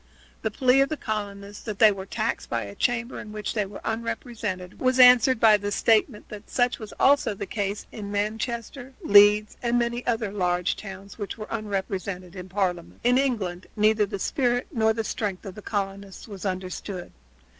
The plea of the colonists that they were taxed by a chamber in which they were unrepresented was answered by the statement that such was also the case with Manchester, Leeds, and many other large towns which were unrepresented in Parliament. In England neither the spirit nor the strength of the colonists was understood.